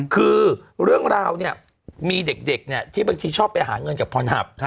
คือเรื่องราวเนี่ยมีเด็กเนี่ยที่บางทีชอบไปหาเงินกับพรหับ